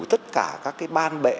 tất cả các cái ban bệ